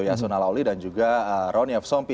yasona lawli dan juga ronny of sompi